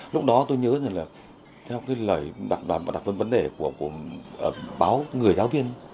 lúc đó tôi nhớ là theo cái lời đặc vấn vấn đề của báo người giáo viên